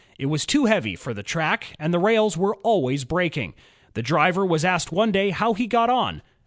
It was too heavy for the track, and the rails were always breaking. The driver was asked one day how he got on.